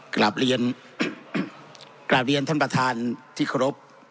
กลับเรียนท่านประธานที่ครบ